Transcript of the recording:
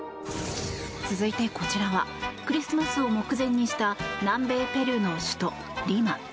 続いて、こちらはクリスマスを目前にした南米ペルーの首都リマ。